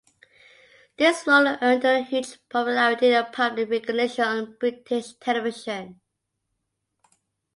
This role earned her huge popularity and public recognition on British television.